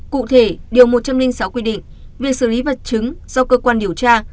cụ thể điều một trăm linh sáu quy định việc xử lý vật chứng do cơ quan điều tra